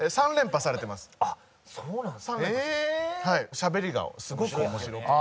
しゃべりがすごく面白くて。